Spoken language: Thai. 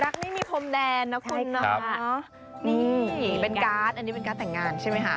ไม่มีพรมแดนนะคุณเนาะนี่เป็นการ์ดอันนี้เป็นการ์ดแต่งงานใช่ไหมคะ